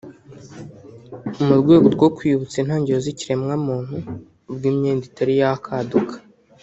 mu rwego rwo kwiyibutsa intangiriro z’ikiremwamuntu ubwo imyenda itari yakaduka